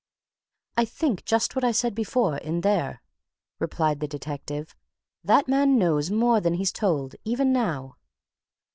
"I think just what I said before in there," replied the detective. "That man knows more than he's told, even now!"